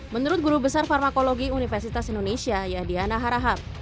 menurut guru besar farmakologi universitas indonesia yadiana harahab